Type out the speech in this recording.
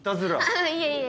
あぁいえいえ。